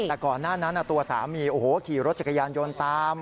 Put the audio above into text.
แต่ก่อนหน้านั้นตัวสามีโอ้โหขี่รถจักรยานยนต์ตาม